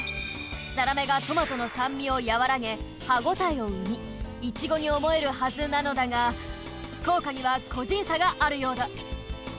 ザラメがトマトの酸味をやわらげ歯応えを生みイチゴに思えるはずなのだがこうかにはこじんさがあるようだ